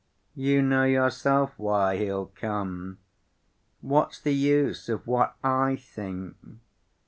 "You know yourself why he'll come. What's the use of what I think?